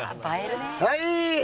はい！